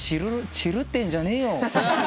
「チルってんじゃねえよ」